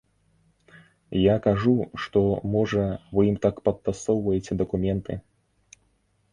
Я кажу, што, можа, вы ім так падтасоўваеце дакументы?